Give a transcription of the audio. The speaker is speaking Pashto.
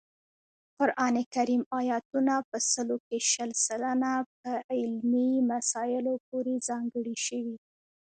قران کریم آیاتونه په سلو کې شل سلنه په علمي مسایلو پورې ځانګړي شوي